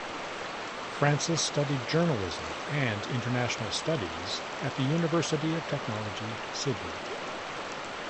Francis studied journalism and international studies at the University of Technology Sydney.